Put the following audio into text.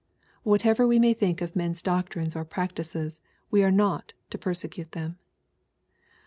Whatever we may think of men's doctrines or prac tices, we are not to persecute them.